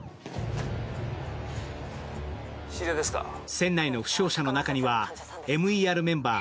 船内の負傷者の中にはＭＥＲメンバー